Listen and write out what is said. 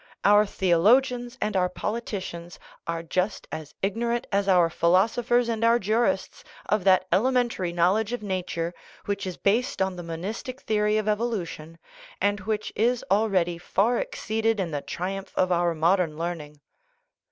Our theo logians and our politicians are just as ignorant as our philosophers and our jurists of that elementary knowl edge of nature which is based on the monistic theory of evolution, and which is already far exceeded in the tri umph of our modern learning.